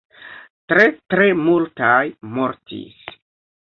Tre tre multaj mortis.